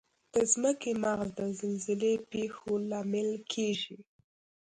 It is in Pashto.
د ځمکې مغز د زلزلې پېښو لامل کیږي.